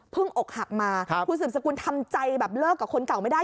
เพิ่งอกหักมาคุณศึกษกุลทำใจเลิกกับคนเก่าไม่ได้